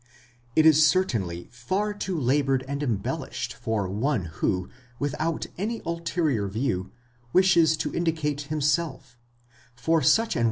* It is certainly far too laboured and embellished for one who, without any ulterior view, wishes to indicate himself, for such an.